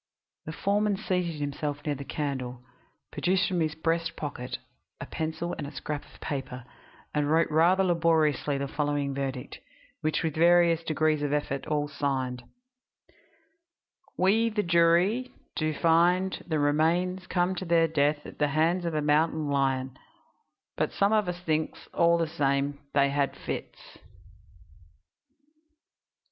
The foreman seated himself near the candle, produced from his breast pocket a pencil and scrap of paper, and wrote rather laboriously the following verdict, which with various degrees of effort all signed: "We, the jury, do find that the remains come to their death at the hands of a mountain lion, but some of us thinks, all the same, they had fits."